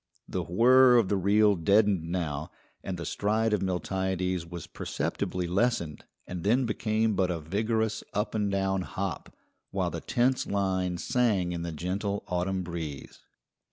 The whir of the reel deadened now, and the stride of Miltiades was perceptibly lessened and then became but a vigorous up and down hop, while the tense line sang in the gentle autumn breeze.